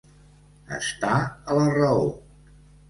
Estar a la raó.